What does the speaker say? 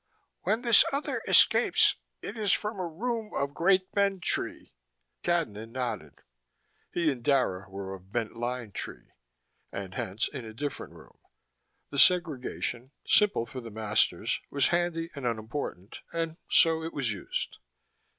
"When this other escapes it is from a room of Great Bend Tree." Cadnan nodded: he and Dara were of Bent Line Tree, and hence in a different room. The segregation, simple for the masters, was handy and unimportant, and so it was used.